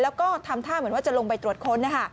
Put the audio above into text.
แล้วก็ทำท่าเหมือนว่าจะลงไปตรวจค้น